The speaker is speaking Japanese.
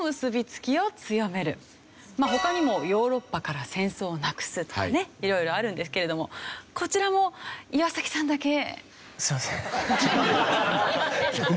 他にもヨーロッパから戦争をなくすとかね色々あるんですけれどもこちらも岩さんだけ。